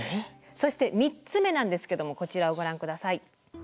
そして３つ目なんですけどもこちらをご覧下さい。